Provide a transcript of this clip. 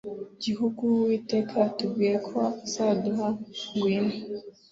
gihugu Uwiteka yatubwiye ko azaduha Ngwino